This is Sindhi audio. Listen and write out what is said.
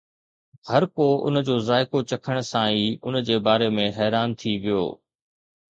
هر ڪو ان جو ذائقو چکڻ سان ئي ان جي باري ۾ حيران ٿي ويو